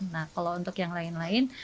nah kalau untuk yang lain lain